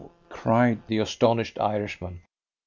cried the astonished Irishman.